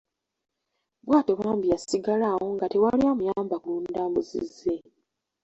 Bwatyo bambi yasigala awo nga tewali amuyamba kulunda mbuzi ze.